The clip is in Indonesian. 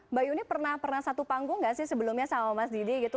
mbak yuni pernah pernah satu panggung gak sih sebelumnya sama mas didi gitu